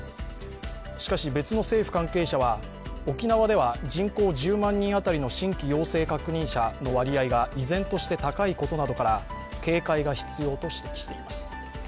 しかし、別の政府関係者は、沖縄では人口１０万人当たりの新規陽性確認者の割合が依然として高いことなどから警戒が必要と指摘しています。